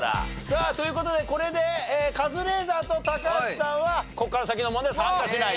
さあという事でこれでカズレーザーと高橋さんはここから先の問題参加しないと。